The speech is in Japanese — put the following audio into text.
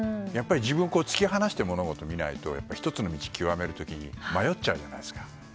自分を突き放して物事を見ないと１つの道を究める時に迷っちゃうじゃないですか。